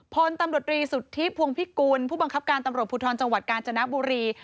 พลตำรวจรีสุทธิพวงพิกุลผู้บังคับการตำรวจภูทรจังหวัดกาญจนบุรี